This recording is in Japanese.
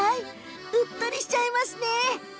もう、うっとりしちゃいます。